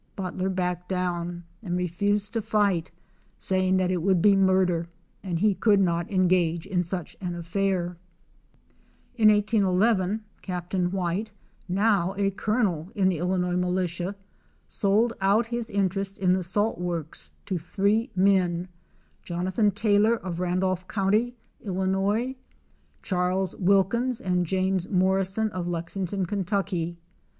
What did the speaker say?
Butler backed down and refused to fight, saying that it would be murder and he could not engage in such an afiPair. In 1811 Captain White, now a colonel in the Illinois militia, sold out his interest in the salt works to three men, Jonathan Taylor of Randolph county, Illinois, Chas. Wilkins and James Morrison of Lexington, Ky.